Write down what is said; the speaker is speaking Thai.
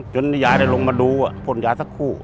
แจ้วนิยายได้ลงมาดูว่าร่วมผลอยากสักคู่